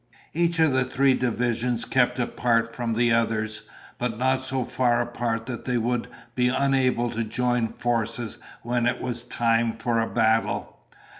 Each of the three divisions kept apart from the others, but not so far apart that they would be unable to join forces when it was time for a battle.